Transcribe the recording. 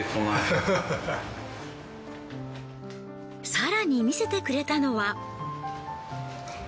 更に見せてくれたのは。